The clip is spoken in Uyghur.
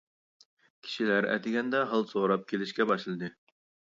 كىشىلەر ئەتىگەندە ھال سوراپ كېلىشكە باشلىدى.